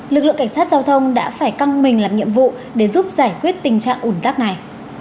lực lượng cảnh sát giao thông đã phải căng mình làm nhiệm vụ để giúp giải quyết tình trạng ủn tắc này